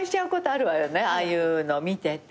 ああいうの見てて。